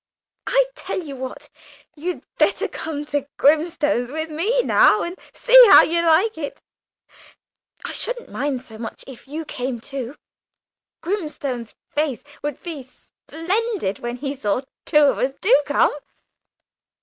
I tell you what, you'd better come to Grimstone's with me now, and see how you like it. I shouldn't mind so much if you came too. Grimstone's face would be splendid when he saw two of us. Do come!"